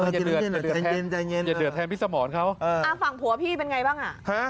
อย่าเดือดแทนพี่สมรเขาฟังผัวพี่เป็นไงบ้าง